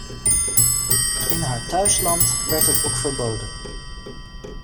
In haar thuisland werd het boek verboden.